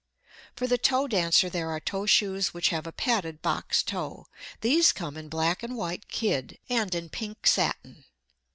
] For the toe dancer there are toe shoes which have a padded box toe. These come in black and white kid and in pink satin.